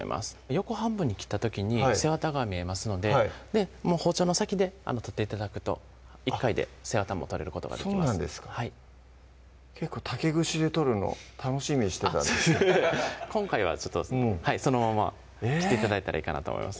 横半分に切った時に背わたが見えますので包丁の先で取って頂くと１回で背わたも取れることがそうなんですかはい結構竹串で取るの楽しみにしてたんですけど今回はそのまま切って頂いたらいいかなと思います